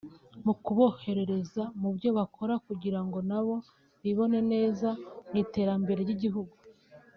mu kuborohereza mu byo bakora kugira ngo nabo bibone neza mu iterambere ry’igihugu